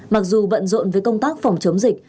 mặc dù bận rộn với công tác phòng chống dịch